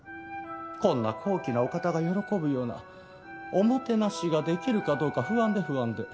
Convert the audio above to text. こんな高貴なお方が喜ぶようなおもてなしができるかどうか不安で不安で。